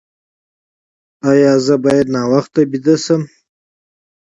ایا زه باید ناوخته ویده شم؟